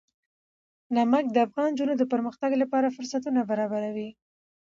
نمک د افغان نجونو د پرمختګ لپاره فرصتونه برابروي.